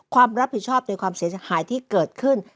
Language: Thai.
ความรับผิดชอบในความเสียหายที่เกิดขึ้น